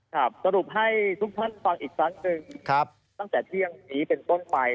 สรุปให้ทุกท่านฟังอีกครั้งหนึ่งตั้งแต่เที่ยงนี้เป็นต้นไป